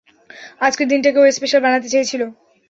আজকের দিনটাকে ও স্পেশাল বানাতে চেয়েছিল।